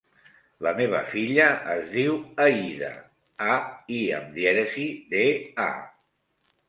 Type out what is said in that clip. La meva filla es diu Aïda: a, i amb dièresi, de, a.